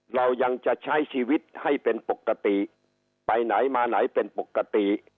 เรายังจะใช้ชีวิตให้เป็นปกติไปไหนมาไหนเป็นปกติ